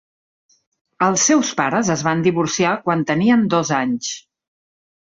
Els seus pares es van divorciar quan tenien dos anys.